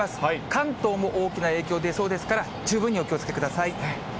関東も大きな影響出そうですから、十分にお気をつけください。